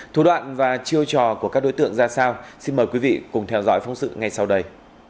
thủ đoạn và chiêu trò của các đối tượng ra sao xin mời quý vị cùng theo dõi phóng sự ngay sau đây